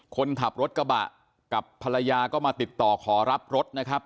คนขับรถกระบะกับภรรยาก็มาติดต่อขอรับรถนะครับ